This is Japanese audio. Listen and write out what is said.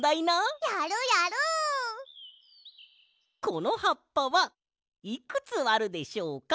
このはっぱはいくつあるでしょうか？